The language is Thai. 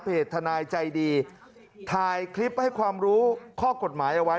ทนายใจดีถ่ายคลิปให้ความรู้ข้อกฎหมายเอาไว้